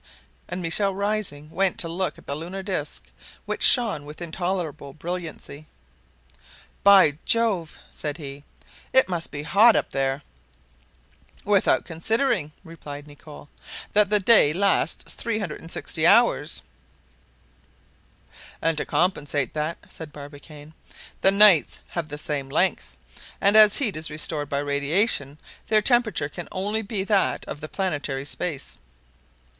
And Michel, rising, went to look at the lunar disc, which shone with intolerable brilliancy. "By Jove!" said he, "it must be hot up there!" "Without considering," replied Nicholl, "that the day lasts 360 hours!" "And to compensate that," said Barbicane, "the nights have the same length; and as heat is restored by radiation, their temperature can only be that of the planetary space."